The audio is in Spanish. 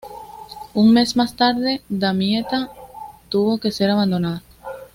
Un mes más tarde, Damietta tuvo que ser abandonada.